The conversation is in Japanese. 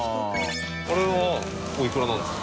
これはおいくらなんですか？